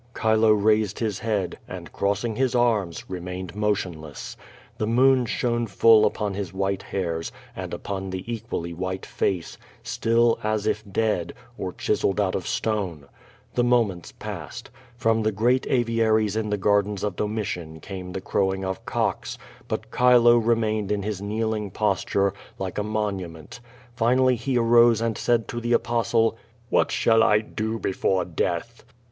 Chilo raised his head, and, crossing his arms, remained motionless. The moon shone full upon his white hairs and upon the equally white face, still, as if dead, or chiselled out of stone. The moments passed. From the great Aviaries in the gardens of Domitian came the crowing of cocks; but 46o Q^O VADIS. Chilo remained in his kneeling posture, like a monument. Finally he arose and said to the Apostle: "What shall I do before death